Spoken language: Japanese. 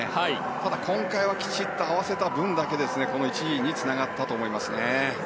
ただ、今回はきちんと合わせた分だけ１位につながったと思いますね。